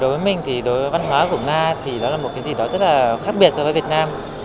đối với mình thì đối với văn hóa của nga thì nó là một cái gì đó rất là khác biệt so với việt nam